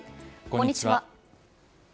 こんにちは。